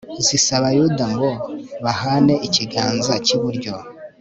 zisaba yuda ngo bahane ikiganza cy'iburyo